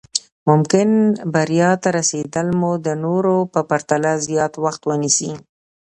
ممکن بريا ته رسېدل مو د نورو په پرتله زیات وخت ونيسي.